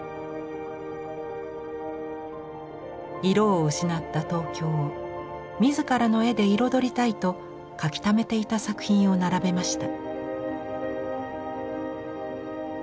色を失った東京を自らの絵で彩りたいと描きためていた作品を並べました。